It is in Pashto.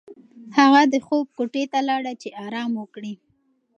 هغه د خوب کوټې ته لاړه چې ارام وکړي.